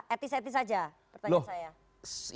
etis etis saja pertanyaan saya